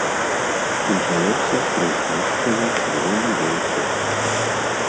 На палосах размешчаны чырвона-белы круг.